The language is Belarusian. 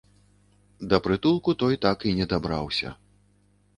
Да прытулку той так і не дабраўся.